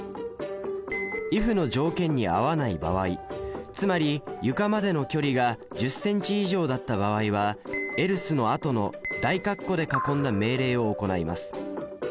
「ｉｆ」の条件に合わない場合つまり床までの距離が１０ｃｍ以上だった場合は「ｅｌｓｅ」のあとの大括弧で囲んだ命令を行います。